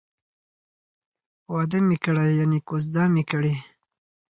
واده می کړی ،یعنی کوزده می کړې